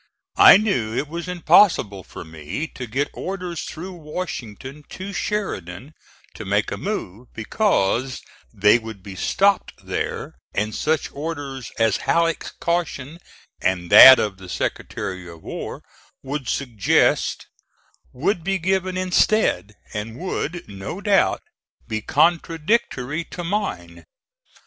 I knew it was impossible for me to get orders through Washington to Sheridan to make a move, because they would be stopped there and such orders as Halleck's caution (and that of the Secretary of War) would suggest would be given instead, and would, no doubt, be contradictory to mine.